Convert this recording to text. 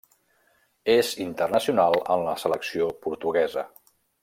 És internacional amb la selecció portuguesa.